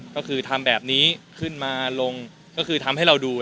ก็คือทำแบบนี้ขึ้นมาลงก็คือทำให้เราดู